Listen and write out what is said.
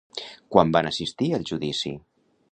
Quan van assistir al judici?